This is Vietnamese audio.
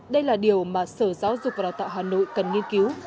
đây là điều mà sở giáo dục và đào tạo hà nội cần nghiên cứu